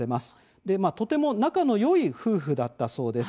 とても仲のよい夫婦だったそうです。